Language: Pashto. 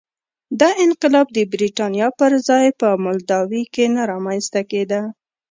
دا انقلاب د برېټانیا پر ځای په مولداوي کې نه رامنځته کېده.